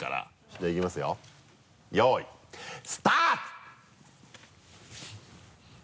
じゃあいきますよよいスタート！